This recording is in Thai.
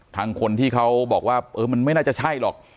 ทางคนที่เขาบอกว่าเออมันไม่น่าจะใช่หรอก